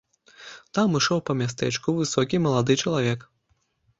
Там ішоў па мястэчку высокі малады чалавек.